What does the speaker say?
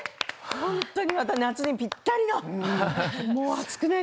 本当に夏にぴったりな。